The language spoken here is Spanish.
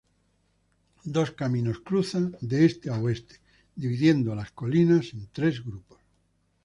Dos caminos cruzan de este a oeste, dividiendo las colinas en tres grupos.